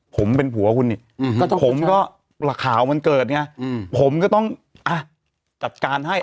ผมเป็นผัวคุณเนี้ยผมก็หลักข่าวมันเกิดไงผมก็ต้องผู้ชายกำกัดการให้